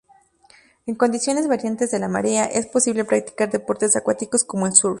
En condiciones variantes de la marea, es posible practicar deportes acuáticos como el surf.